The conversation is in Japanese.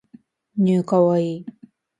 new kawaii